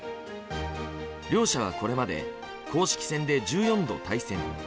両者はこれまで公式戦で１４度対戦。